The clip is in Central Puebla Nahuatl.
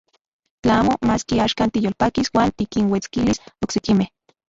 Tla amo, maski axkan tiyolpakis uan tikinuetskilis oksekimej.